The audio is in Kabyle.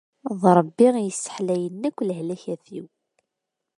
D Rebbi i yesseḥlayen akk lehlakat-iw.